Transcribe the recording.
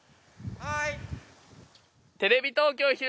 はい。